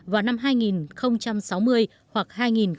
vào năm hai nghìn sáu mươi hoặc hai nghìn hai mươi